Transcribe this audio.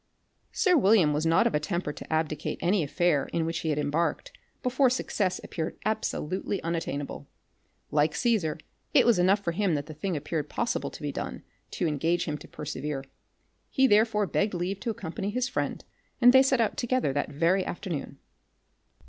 Sir William was not of a temper to abdicate any affair in which he had embarked, before success appeared absolutely unattainable. Like Caesar, it was enough for him that the thing appeared possible to be done, to engage him to persevere. He therefore begged leave to accompany his friend, and they set out together that very afternoon.